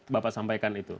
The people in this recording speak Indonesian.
bapak sampaikan itu